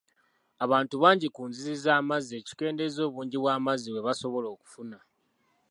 Abantu bangi ku nzizi z'amazzi ekikendeeza obungi bw'amazzi bwe basobola okufuna.